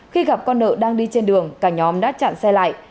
khi gặp con nợ đang đi trên đường cả nhóm đã chặn xe lại